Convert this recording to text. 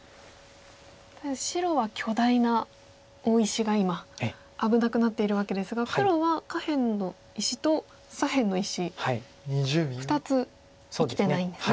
ただ白は巨大な大石が今危なくなっているわけですが黒は下辺の石と左辺の石２つ生きてないんですね。